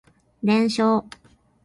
連勝